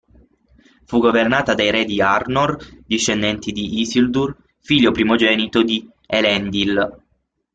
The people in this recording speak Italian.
Fu governata dai re di Arnor, discendenti di Isildur, figlio primogenito di Elendil.